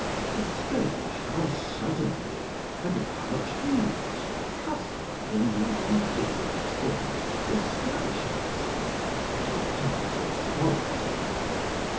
'Tis strange how suddenly and with how much ease custom in these indifferent things establishes itself and becomes authority.